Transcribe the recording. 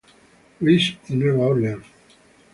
Louis, y Nueva Orleans.